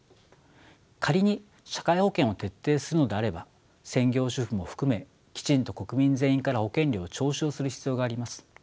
仮に社会保険を徹底するのであれば専業主婦も含めきちんと国民全員から保険料を徴収する必要があります。